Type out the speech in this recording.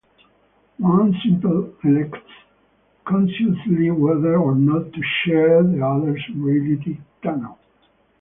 One simply elects, consciously, whether or not to share the other's reality tunnel.